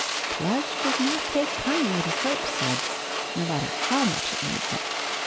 Plush does not take kindly to soap suds, no matter how much it needs it.